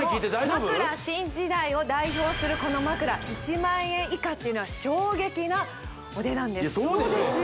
枕新時代を代表するこの枕１００００円以下っていうのは衝撃なお値段ですそうでしょう